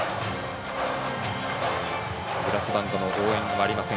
ブラスバンドの応援はありません。